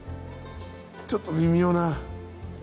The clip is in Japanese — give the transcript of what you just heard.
ちょっと微妙な。